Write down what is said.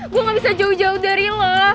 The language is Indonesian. gue gak bisa jauh jauh dari lo